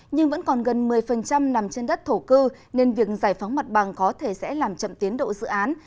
nhưng vẫn còn gần một mươi nằm trên đất thổ cư nên việc giải phóng mặt bằng có thể sẽ làm chậm tiến độ dự án